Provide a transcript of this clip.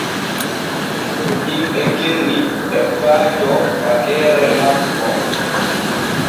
Himɓe genni e faajo fageere makko.